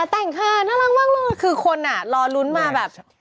แต่งค่ะน่ารักมากเลยคือคนอ่ะรอลุ้นมาแบบ